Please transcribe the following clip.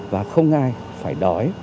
và không ai phải đói